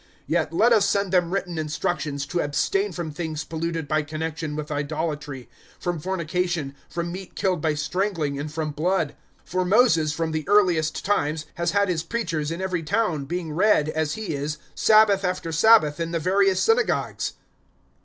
015:020 Yet let us send them written instructions to abstain from things polluted by connexion with idolatry, from fornication, from meat killed by strangling, and from blood. 015:021 For Moses from the earliest times has had his preachers in every town, being read, as he is, Sabbath after Sabbath, in the various synagogues."